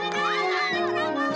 gak di luar